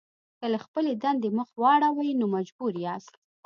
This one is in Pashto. که له خپلې دندې مخ واړوئ نو مجبور یاست.